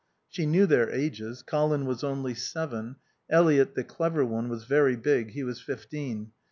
She knew their ages. Colin was only seven. Eliot, the clever one, was very big; he was fifteen.